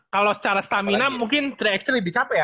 kalau secara stamina mungkin tiga x tiga lebih capek ya